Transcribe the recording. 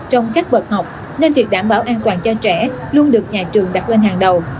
trong các bậc học nên việc đảm bảo an toàn cho trẻ luôn được nhà trường đặt lên hàng đầu